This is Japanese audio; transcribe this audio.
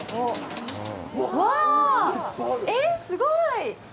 わあ、えっ、すごい！